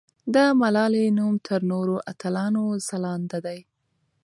د ملالۍ نوم تر نورو اتلانو ځلانده دی.